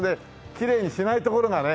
きれいにしないところがね